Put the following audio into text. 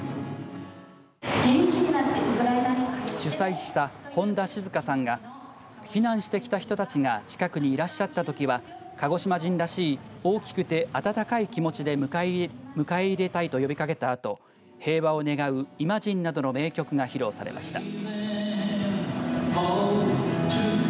主催した本田静さんが避難してきた人たちが近くにいらっしゃったときは鹿児島人らしい大きくて温かい気持ちで迎え入れたいと呼びかけたあと平和を願うイマジンなどの名曲が披露されました。